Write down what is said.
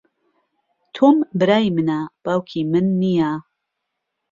تۆم برای منە، باوکی من نییە.